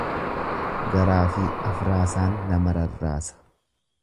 Garaafi afraasaan nama rarraasa.